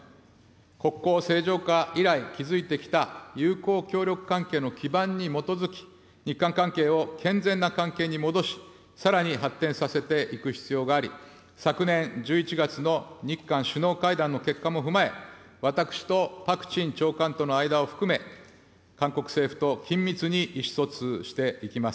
国交正常化以来築いてきた友好協力関係の基盤に基づき、日韓関係を健全な関係に戻し、さらに発展させていく必要があり、昨年１１月の日韓首脳会談の結果も踏まえ、私とパク・チン長官との間を含め、韓国政府と緊密に意思疎通していきます。